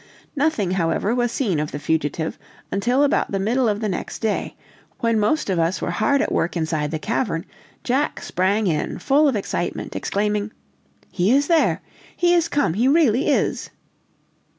Nothing, however, was seen of the fugitive until about the middle of the next day; when most of us were hard at work inside the cavern, Jack sprang in full of excitement, exclaiming: "He is there! He is come! he really is!"